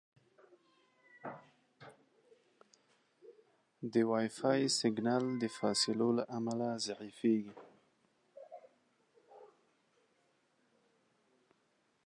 د وائی فای سګنل د فاصلو له امله ضعیفېږي.